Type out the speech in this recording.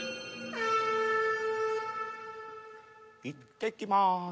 いってきます。